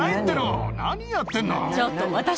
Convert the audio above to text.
何やってんの！